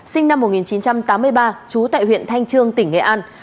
sinh năm một nghìn chín trăm tám mươi ba trú tại huyện thanh trương tỉnh nghệ an